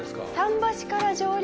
桟橋から上陸？